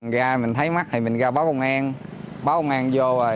ra mình thấy mắt thì mình ra báo công an báo công an vô